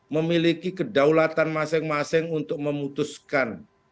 memiliki kedaulatan masing masing untuk memutuskan